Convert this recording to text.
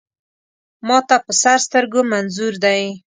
ما ته په سر سترګو منظور دی.